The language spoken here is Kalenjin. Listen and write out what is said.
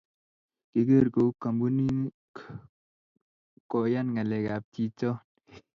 kiker koui kampunii no koyan ngalek kap chichoo